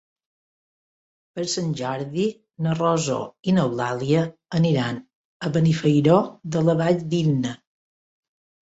Per Sant Jordi na Rosó i n'Eulàlia aniran a Benifairó de la Valldigna.